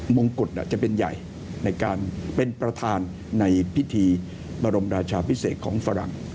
มงกุฎจะเป็นใหญ่ในการเป็นประธานในพิธีบรมราชาพิเศษของฝรั่ง